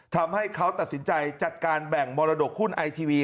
ทำให้เขาตัดสินใจจัดการแบ่งมรดกหุ้นไอทีวี